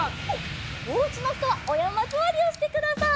おうちのひとはおやまずわりをしてください。